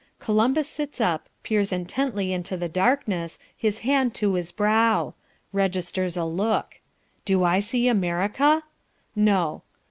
Columbus sits up, peers intently into the darkness, his hand to his brow registers a look. Do I see America? No.